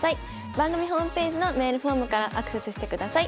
番組ホームページのメールフォームからアクセスしてください。